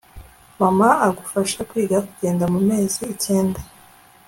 mama agufasha kwiga kugenda mu mezi icyenda